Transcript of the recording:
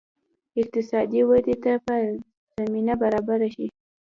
اقتصادي ودې ته به زمینه برابره شي.